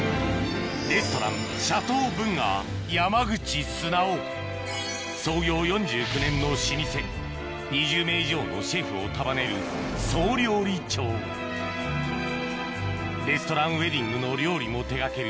レストラン創業４９年の老舗２０名以上のシェフを束ねる総料理長レストランウエディングの料理も手掛ける